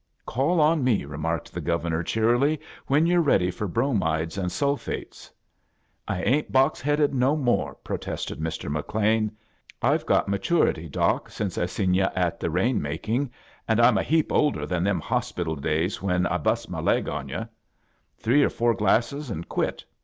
''" Call on me," remarked the Governor, cheerily* " vbea you're ready for bromides and sulphates." " I ain't box headed no txmte," protested Hr. McLean; " Fve got maturity. Doc, since I seen yu' at the rain making, and I'm a heap older than them hospital days when I bust my leg on yu'. Three or four glasses and quit.